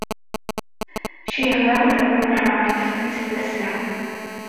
Cihwaɣ-d ad ṛuḥeɣ ɣer teftist ass-a.